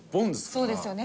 そうですよね。